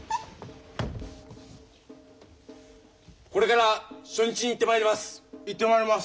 これから初日に行ってまいります。